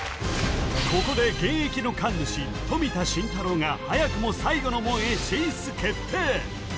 ここで現役の神主冨田信太郎が早くも最後の門へ進出決定